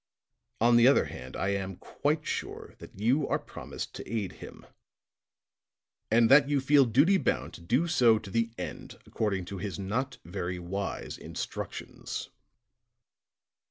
On the other hand I am quite sure that you are promised to aid him, and that you feel duty bound to do so to the end, according to his not very wise instructions."